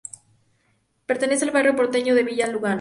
Pertenece al barrio porteño de Villa Lugano.